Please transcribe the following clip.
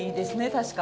確か。